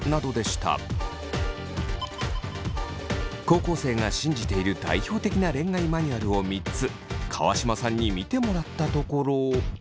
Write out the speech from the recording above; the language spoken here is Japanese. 高校生が信じている代表的な恋愛マニュアルを３つ川島さんに見てもらったところ。